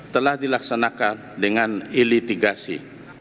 telah dilaksanakan dengan e litigasi